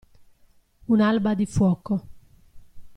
Un'alba di fuoco.